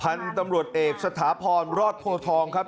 พันธุ์ตำรวจเอกสถาพรรอดโพทองครับ